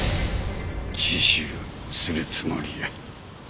自首するつもりや。